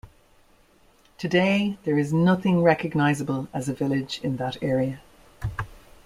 Today there is nothing recognizable as a village in that area.